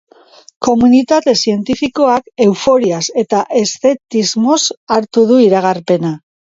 Komunitate zientifikoak euforiaz eta eszeptizismoz hartu du iragarpena.